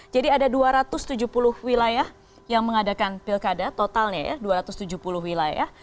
jadi ada dua ratus tujuh puluh wilayah yang mengadakan pilkada totalnya ya dua ratus tujuh puluh wilayah